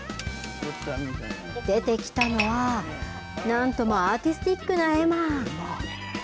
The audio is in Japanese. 出てきたのは何ともアーティスティックな絵馬。